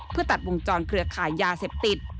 เพื่อตัดวงจรเครือขายยาเสพติด